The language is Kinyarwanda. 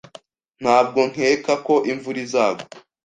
Ntabwo nkeka ko imvura izagwa.